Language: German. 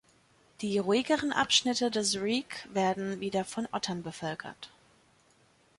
Die ruhigeren Abschnitte des Wreake werden wieder von Ottern bevölkert.